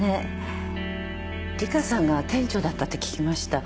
里香さんが店長だったって聞きました。